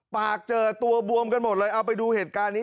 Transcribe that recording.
ปากเจอตัวบวมกันหมดเลยเอาไปดูเหตุการณ์นี้